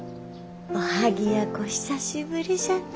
おはぎやこ久しぶりじゃね。